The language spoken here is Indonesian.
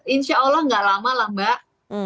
insya allah nggak lama lah mbak